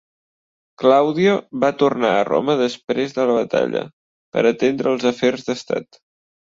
Claudio va tornar a Roma després de la batalla per atendre els afers d'estat.